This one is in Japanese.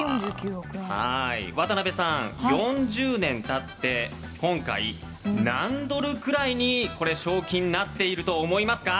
渡辺さん、４０年経って今回、何ドルくらいに賞金がなっていると思いますか？